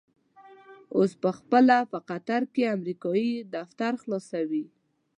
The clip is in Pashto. اوس په خپله په قطر کې امريکايي دفتر خلاصوي.